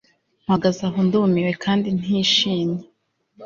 mpagaze aho ndumiwe kandi ntishimye